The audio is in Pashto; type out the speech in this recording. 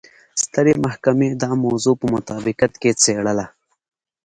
سترې محکمې دا موضوع په مطابقت کې څېړله.